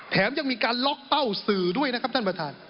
แถมยังมีการล็อกเป้าสื่อด้วยนะครับท่านประธาน